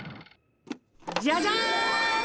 ジャジャン！